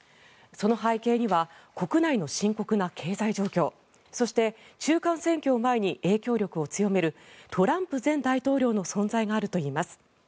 その背景には国内の深刻な経済状況そして、中間選挙を前に影響力を強めるトランプ前大統領の存在があるといいます。